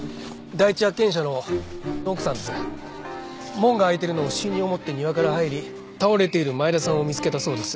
門が開いているのを不審に思って庭から入り倒れている前田さんを見つけたそうです。